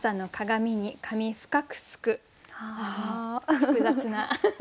複雑な。